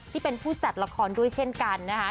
ที่เป็นผู้จัดละครด้วยเช่นกันนะคะ